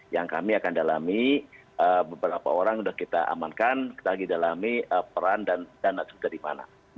yang kami akan dalami beberapa orang sudah kita amankan kita lagi dalami peran dan dana sudah di mana